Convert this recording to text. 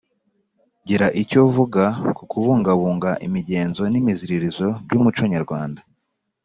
gira icyo uvuga ku kubungabunga imigenzo n’imiziririzo by’umuco nyarwanda.